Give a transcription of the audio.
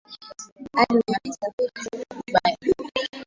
Alwi amesafiri kwenda dubai